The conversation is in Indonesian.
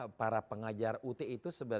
nah para pengajar ut itu sendiri